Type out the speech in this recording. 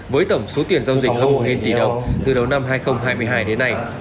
với tổng số tiền giao dịch hơn một tỷ đồng từ đầu năm hai nghìn hai mươi hai đến nay